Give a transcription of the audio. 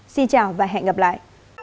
xin chào và hẹn gặp lại